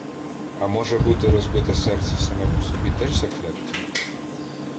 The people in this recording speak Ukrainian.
А може бути, розбите серце саме по собі теж закляття?